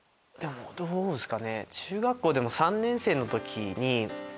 どうですかね。